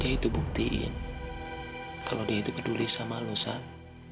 dia itu buktiin kalau dia itu peduli sama lo san